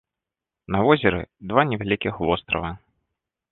На возеры два невялікіх вострава.